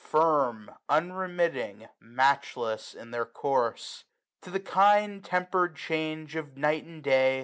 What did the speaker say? Firm, unremitting, matchless, in their course ; To the kind tempered change of night and day.